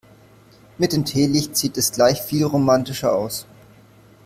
Mit dem Teelicht sieht es gleich viel romantischer aus.